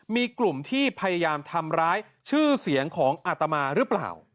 มีกลุ่มที่พยายามทำร้ายชื่อเสียงของอาตมาหรือเปล่า